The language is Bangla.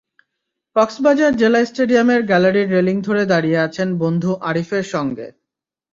কক্সবাজার জেলা স্টেডিয়ামের গ্যালারির রেলিং ধরে দাঁড়িয়ে আছেন বন্ধু আরিফের সঙ্গে।